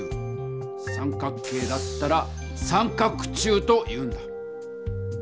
三角形だったら「三角柱」というんだ。